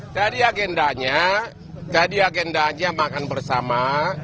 dari agendanya tadi agendanya makan bersama